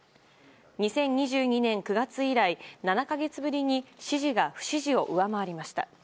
２０２２年９月以来７か月ぶりに支持が不支持を上回りました。